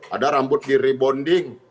ada rambut di rebonding